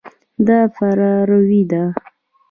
دا فراروی ده.